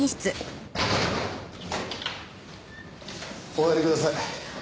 お入りください。